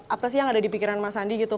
apa sih yang ada di pikiran mas andi gitu